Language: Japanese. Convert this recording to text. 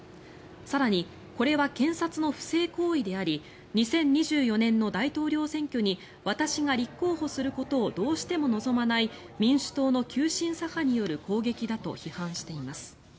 更に、これは検察の不正行為であり２０２４年の大統領選挙に私が立候補することをどうしても望まない民主党の急進左派による攻撃だと批判しています。